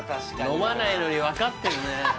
飲まないのに分かってるね